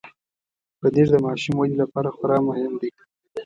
پنېر د ماشوم ودې لپاره خورا مهم دی.